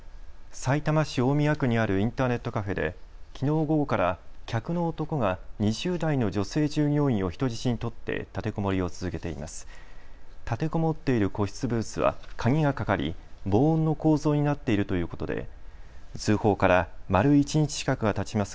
さいたま市大宮区にあるインターネットカフェできのう午後から客の男が２０代の女性従業員を人質に取って立てこもりを続けています。